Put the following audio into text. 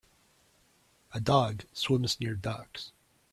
a dog swims near ducks.